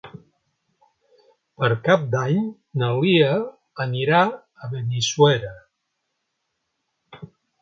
Per Cap d'Any na Lia anirà a Benissuera.